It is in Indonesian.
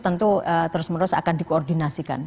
tentu terus menerus akan dikoordinasikan